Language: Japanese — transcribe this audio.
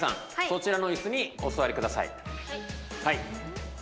そちらのイスにお座りください。